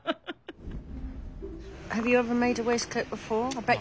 はい。